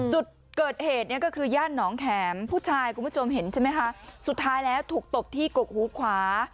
จุดเกิดเหตุเนี่ยก็คือย่านหนองแข็มผู้ชายคุณผู้ชมเห็นใช่ไหมคะสุดท้ายแล้วถูกตบที่กกหูขวา